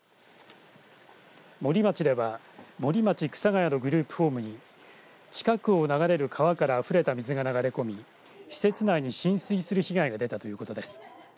森町では森町草ヶ谷のグループホームに近くを流れる川からあふれた水が流れ込み施設内に浸水する被害が出たということです。